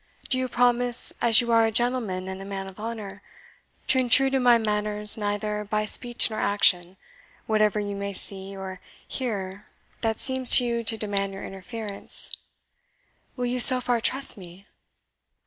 Do you promise, as you are a gentleman and a man of honour, to intrude in my matters neither by speech nor action, whatever you may see or hear that seems to you to demand your interference? Will you so far trust me?"